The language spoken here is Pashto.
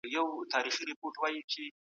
واخیستل سول. هغه وویل: «یوازي مي دا ویلي وو،